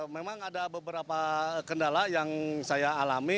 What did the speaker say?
memang ada beberapa kendala yang saya alami